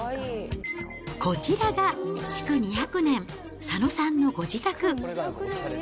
こちらが築２００年、佐野さんのご自宅。